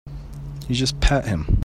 You just pat him.